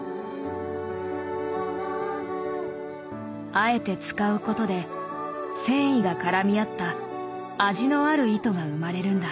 あえて使うことで繊維が絡み合った味のある糸が生まれるんだ。